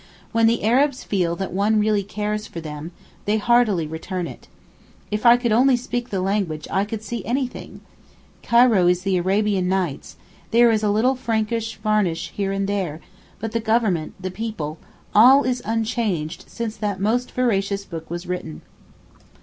When the Arabs feel that one really cares for them, they heartily return it. If I could only speak the language I could see anything. Cairo is the Arabian Nights; there is a little Frankish varnish here and there, but the government, the people—all is unchanged since that most veracious book was written.